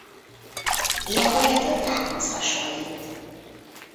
Ilyenkor letört ághoz hasonlít.